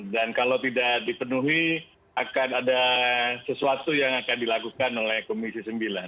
dan kalau tidak dipenuhi akan ada sesuatu yang akan dilakukan oleh komisi sembilan